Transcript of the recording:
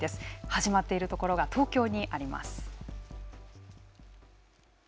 始まっているところが東京にあります。